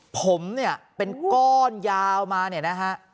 ผมเป็นก้อนยาวมานะฮะ